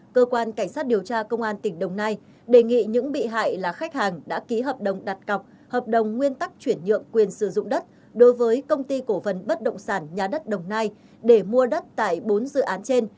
cơ quan cảnh sát điều tra công an tỉnh đồng nai đề nghị những bị hại là khách hàng đã ký hợp đồng đặt cọc hợp đồng nguyên tắc chuyển nhượng quyền sử dụng đất đối với công ty cổ phần bất động sản nhà đất đồng nai để mua đất tại bốn dự án trên